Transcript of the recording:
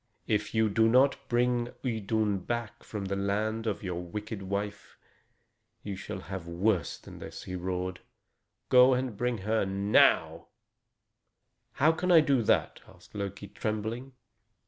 "If you do not bring Idun back from the land of your wicked wife, you shall have worse than this!" he roared. "Go and bring her now." "How can I do that?" asked Loki, trembling.